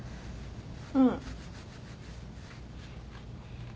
うん。